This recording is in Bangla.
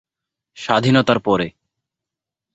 স্বাধীনতার পরে।